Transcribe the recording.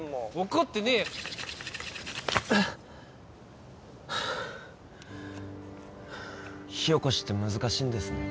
怒ってねえよはあっ火おこしって難しいんですね